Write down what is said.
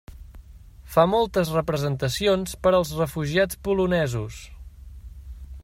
Fa moltes representacions per als refugiats polonesos.